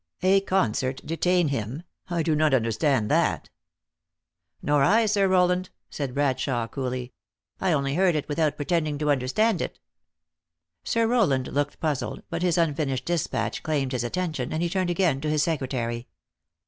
" A concert detain him ! I do not understand that." 380 THE ACTRESS IN HIGH LIFE. " Nor I, Sir Rowland," said Bradshawe. coolly. "I only heard it without pretending to understand it." Sir Rowland looked puzzled, but his unfinished dis patch claimed his attention, and he turned again to his secretary.